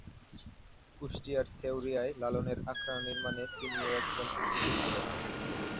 কুষ্টিয়ার ছেউরিয়ায় লালনের আখড়া নির্মাণে তিনিও একজন উদ্যোগী ছিলেন।